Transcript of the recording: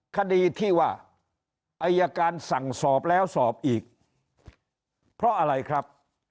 คดีที่ว่าอายการสั่งสอบแล้วสอบอีกเพราะอะไรครับ